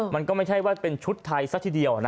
มันก็ไม่ใช่ว่าเป็นชุดไทยซะทีเดียวนะ